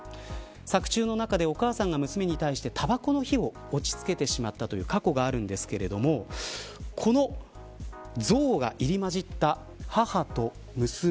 作中の中でお母さんが娘に対してたばこの火を押しつけてしまったという過去があるんですがこの憎悪が入り交じった母と娘。